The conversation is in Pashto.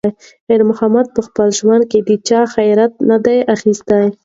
خیر محمد په خپل ژوند کې د چا خیرات نه دی اخیستی.